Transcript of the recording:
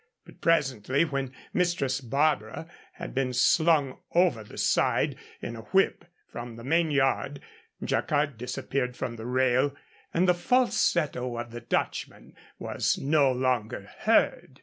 But presently, when Mistress Barbara had been slung over the side in a whip from the main yard, Jacquard disappeared from the rail, and the falsetto of the Dutchman was no longer heard.